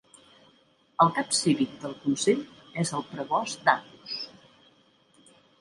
El cap cívic del consell és el prebost d'Angus.